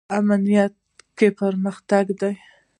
امنیت کې پرمختګ دی